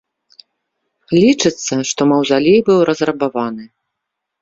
Лічыцца, што маўзалей быў разрабаваны.